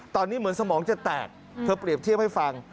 ตอนนี้เหมือนสมองจะแตกเธอเปรียบเทียบให้ฟัง